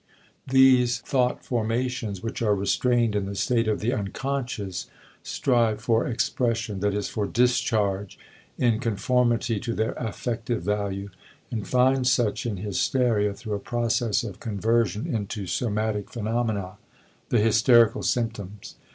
These thought formations which are restrained in the state of the unconscious strive for expression, that is, for discharge, in conformity to their affective value, and find such in hysteria through a process of conversion into somatic phenomena the hysterical symptoms.